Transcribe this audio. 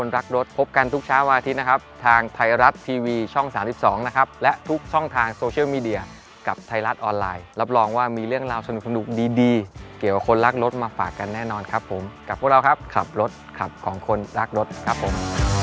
รักรถมาฝากกันแน่นอนครับผมกับพวกเราครับขับรถขับของคนรักรถครับผม